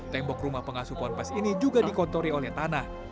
tembok rumah pengasuh pohon pes ini juga dikontori oleh tanah